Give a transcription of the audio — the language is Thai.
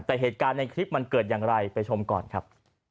แต่เหตุการณ์ในคลิปมันเกิดอย่างไรไปชมก่อนครับ